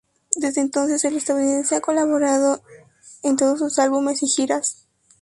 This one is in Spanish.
Desde entonces, el estadounidense ha colaborado en todos sus álbumes y giras.